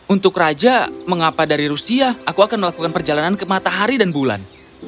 untuk raja mengapa dari rusia aku akan melakukan perjalanan ke matahari dan bulan